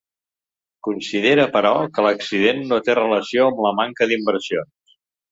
Considera, però, que l’accident no té relació amb la manca d’inversions.